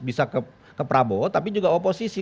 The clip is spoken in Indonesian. bisa ke prabowo tapi juga oposisi